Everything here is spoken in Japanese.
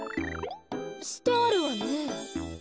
してあるわね。